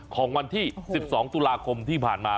ของวันที่๑๒ตุลาคมที่ผ่านมา